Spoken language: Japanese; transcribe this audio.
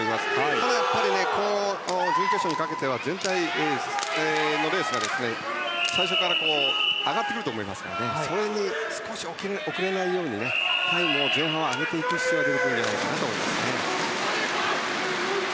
ただやっぱり、準決勝にかけては全体のレースが最初から上がってくると思いますからそれに少し遅れないようにタイムを前半は上げていく必要があるんじゃないかなと思います。